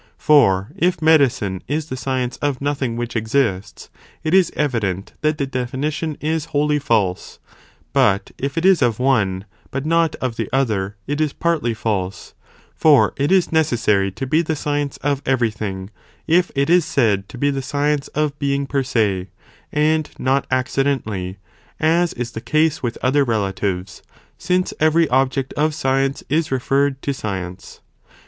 For if medicine is the science of nothing which exists, it is evident that (the definition) is wholly false, but if it is of one, but not of another, it is partly false ; for it is necessary (to be the science) of every thing, if it is said to be the science of being per se, and not accidentally, as is the case with other relatives, since every object of science is re ferred to science.